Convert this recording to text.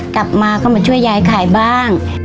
กลับมาก็มาช่วยยายขายบ้าง